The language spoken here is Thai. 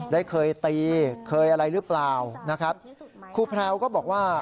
ได้เคยตีเคยอะไรหรือเปล่านะครับครูแพรวก็บอกว่า